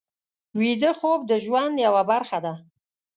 ویده خوب د ژوند یوه برخه ده